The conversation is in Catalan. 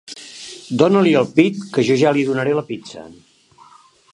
Dóna-li el pit, que jo ja li donaré la pizza.